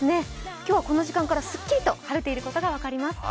今日はこの時間からすっきりと晴れていることが分かります。